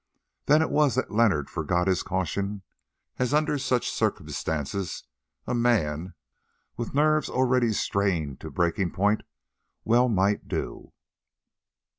Then it was that Leonard forgot his caution, as under such circumstances a man, with nerves already strained to breaking point, well might do.